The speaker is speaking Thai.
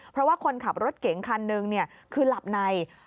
เพราะว่าคนขับรถเก๋งคันหนึ่งคือหลับใน